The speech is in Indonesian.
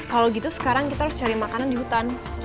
kalau gitu sekarang kita harus cari makanan di hutan